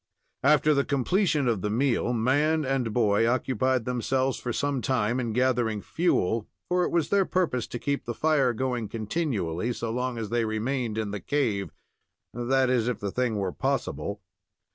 After the completion of the meal, man and boy occupied themselves for some time in gathering fuel, for it was their purpose to keep the fire going continually, so long as they remained in the cave that is, if the thing were possible.